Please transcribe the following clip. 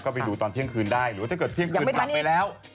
ไปดูตอนเที่ยงคืนได้หรือถ้าเที่ยงคืนถามไปแล้ว